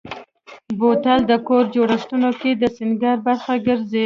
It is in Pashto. بوتل د کور جوړښتونو کې د سینګار برخه ګرځي.